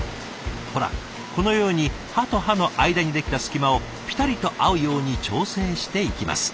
ほらこのように刃と刃の間にできた隙間をぴたりと合うように調整していきます。